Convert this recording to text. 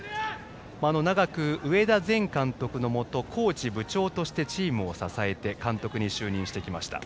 長く上田前監督のもとコーチ、部長としてチームを支えて監督に就任してきました。